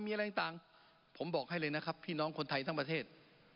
มีอะไรต่างผมบอกให้เลยนะครับพี่น้องคนไทยทั้งประเทศ